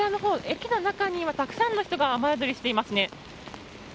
駅の中にはたくさんの人が雨宿りしていますね。